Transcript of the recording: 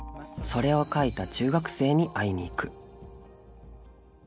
それを書いた中学生に会いにいく。